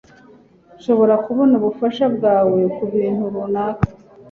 Nshobora kubona ubufasha bwawe kubintu runaka?